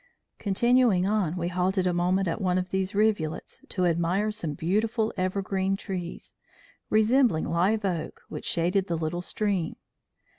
Continuing on, we halted a moment at one of these rivulets, to admire some beautiful evergreen trees, resembling live oak, which shaded the little stream.